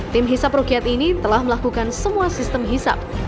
tim hisap rukiat ini telah melakukan semua sistem hisap